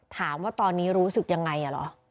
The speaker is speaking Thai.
ถามว่าตอนนี้รู้สึกยังไงเหรอ